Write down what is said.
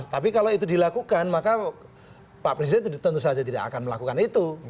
tapi kalau itu dilakukan maka pak presiden tentu saja tidak akan melakukan itu